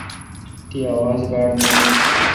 تی اواز باڑمیݭ این۔